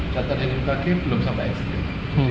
data dari bmkg belum sampai ekstrim